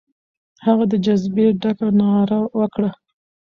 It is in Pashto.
هغه د جذبې ډکه ناره وکړه.